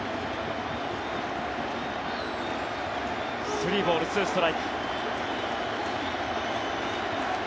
３ボール２ストライク。